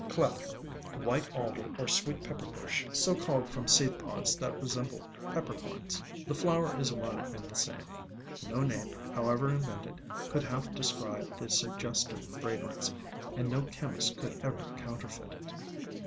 Clethra, White Alder, or Sweet Pepper bush (so called from seed pods that resemble pepper corns), the flower is one and the same; no name, however invented, could half describe the sugges tive fragrance, and no chemist could ever counter feit it.